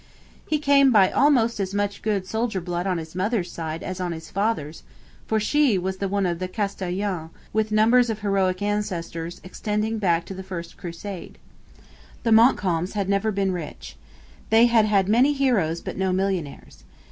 He came by almost as much good soldier blood on his mother's side as on his father's, for she was one of the Castellanes, with numbers of heroic ancestors, extending back to the First Crusade. The Montcalms had never been rich. They had many heroes but no millionaires.